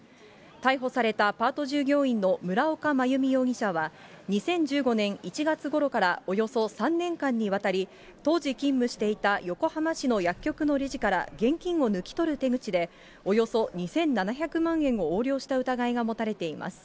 逮捕されたパート従業員の村岡真弓容疑者は、２０１５年１月ごろからおよそ３年間にわたり、当時勤務していた横浜市の薬局のレジから現金を抜き取る手口で、およそ２７００万円を横領した疑いが持たれています。